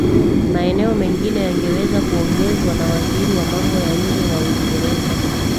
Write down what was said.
maeneo mengine yangeweza kuongezwa na waziri wa mambo ya nje wa uingereza